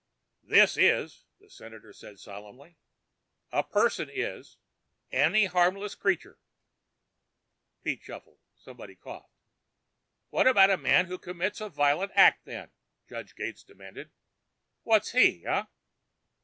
"Just this:" the Senator said solemnly. "A person is ... any harmless creature...." Feet shuffled. Someone coughed. "What about a man who commits a violent act, then?" Judge Gates demanded. "What's he, eh?"